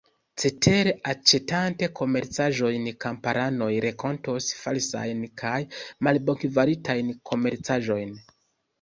Cetere, aĉetante komercaĵojn, kamparanoj renkontos falsajn kaj malbonkvalitajn komercaĵojn.